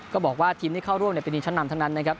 ก็บอกว่าทีมที่เข้าร่วมเป็นดีชั้นนำทั้งนั้นนะครับ